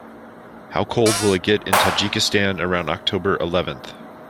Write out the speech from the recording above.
How cold will it get in Tajikistan around oct. eleventh?